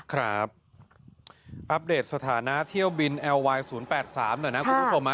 ครับสถานะเที่ยวบินเอลวายศูนย์แปดสามหน่อยนะคุณผู้ชมอ่ะ